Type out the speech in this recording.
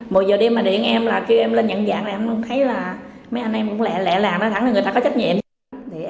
một giờ đêm mà điện em là kêu em lên nhận dạng em thấy là mấy anh em cũng lẹ lẹ làm đó thẳng là người ta có trách nhiệm